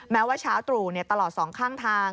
แม้ว่าเช้าตรู่ตลอดสองข้างทาง